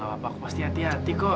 gak apa apa aku pasti hati hati kok